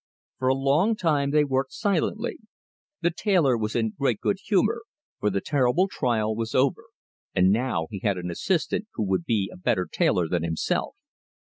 For a long time they worked silently. The tailor was in great good humour; for the terrible trial was over, and he now had an assistant who would be a better tailor than himself.